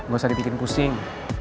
gak usah dibikin pusing